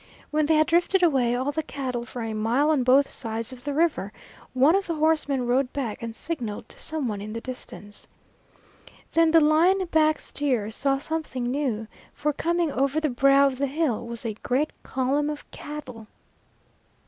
When they had drifted away all the cattle for a mile on both sides of the river, one of the horsemen rode back and signaled to some one in the distance. Then the line back steer saw something new, for coming over the brow of the hill was a great column of cattle.